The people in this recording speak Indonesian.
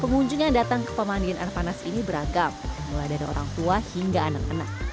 pengunjung yang datang ke pemandian air panas ini beragam mulai dari orang tua hingga anak anak